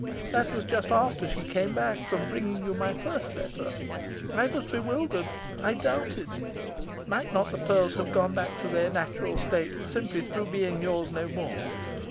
That was just after she came back from bringing you my first letter. I was bewildered. I doubted. Might not the pearls have gone back to their natural state simply through being yours no more?